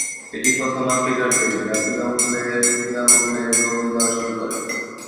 এটি প্রথম আফ্রিকার দেশ যা বিনামূল্যে বিনামূল্যে ডোমেন দেওয়া শুরু করে।